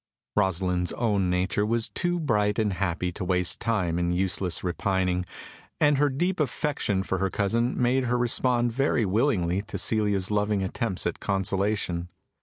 Rosalind's own nature was too bright and happy to waste time in useless repining, and her deep affection for her cousin made her respond very willingly to Celia's loving attempts at consolation.